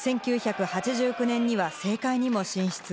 １９８９年には政界にも進出。